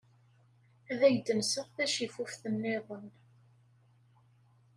Ad ak-d-nseɣ tacifuft niḍen.